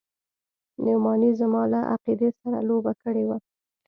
نعماني زما له عقيدې سره لوبه کړې وه.